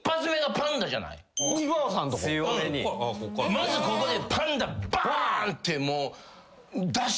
まずここでパンダばーん！って出す。